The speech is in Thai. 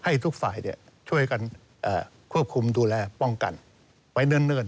ให้ทุกฝ่ายเนี้ยช่วยกันเอ่อควบคุมดูแลป้องกันไปเนื่องเนื่อง